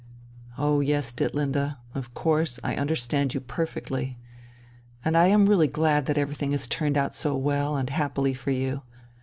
"Oh yes, Ditlinde, of course, I understand you perfectly. And I am really glad that everything has turned out so well and happily for you.